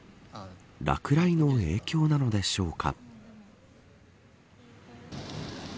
落雷の影響なのでしょうか。